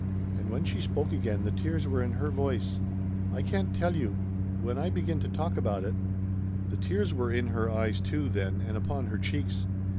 And when she spoke again the tears were in her voice. "I can't tell you when I begin to talk about it " The tears were in her eyes, too, then, and upon her cheeks.